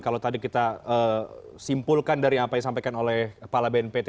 kalau tadi kita simpulkan dari apa yang disampaikan oleh kepala bnpt